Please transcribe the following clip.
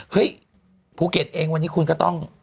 ภูเก็ตเองวันนี้คุณก็ต้อง